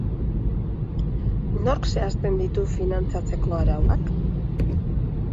Nork zehazten ditu finantzatzeko arauak?